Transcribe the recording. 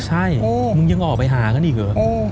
ใช่มึงยังออกไปหากันอีกเหรอ